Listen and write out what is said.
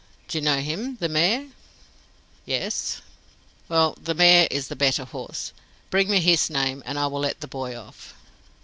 "Do you know h'm! the mayor?" "Yes." "Well, the mayor is the better horse. Bring me his name and I will let the boy off."